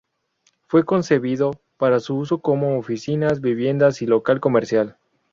Fue concebido para su uso como oficinas, viviendas y local comercial.